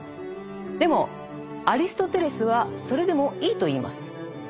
でもアリストテレスはそれでもいいと言います。